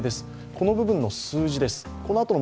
この部分の数字です。